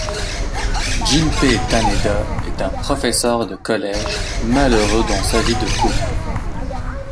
Junpei Taneda est un professeur de collège malheureux dans sa vie de couple.